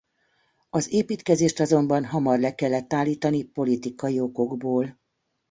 Az építkezést azonban hamar le kellett állítani politikai okokból.